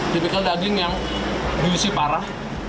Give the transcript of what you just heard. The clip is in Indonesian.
tipikal daging yang diisi parah